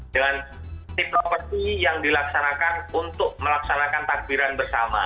dengan si properti yang dilaksanakan untuk melaksanakan takbiran bersama